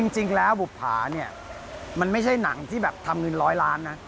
จริงแล้วบุภาเนี่ยมันไม่ใช่หนังที่แบบทำเงินร้อยล้านนะ